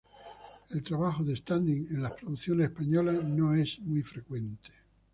El trabajo de "stand-in" en las producciones españolas no es muy frecuente.